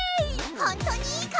ほんとにいいか！？